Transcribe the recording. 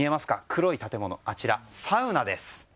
黒い建物はサウナです。